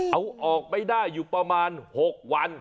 เอาออกไม่ได้อยู่ประมาณ๖วัน